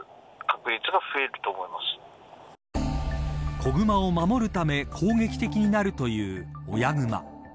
子熊を守るため攻撃的になるという親熊。